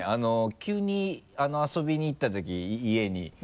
急に遊びに行ったとき家に。